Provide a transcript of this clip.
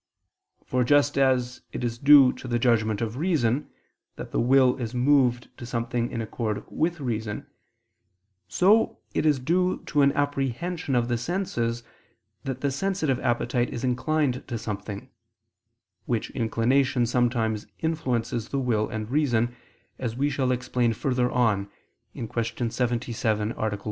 For just as it is due to the judgment of reason, that the will is moved to something in accord with reason, so it is due to an apprehension of the senses that the sensitive appetite is inclined to something; which inclination sometimes influences the will and reason, as we shall explain further on (Q. 77, A. 1).